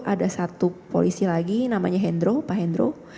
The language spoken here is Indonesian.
ada satu polisi lagi namanya hendro pak hendro